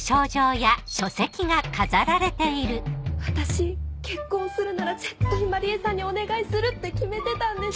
私結婚するなら絶対万里江さんにお願いするって決めてたんです。